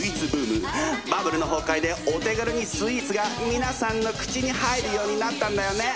バブルの崩壊でお手軽にスイーツが皆さんの口に入るようになったんだよね。